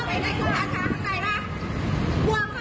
มันจะติดแล้วค่ะ